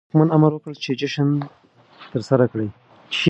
واکمن امر وکړ چې جشن ترسره کړي.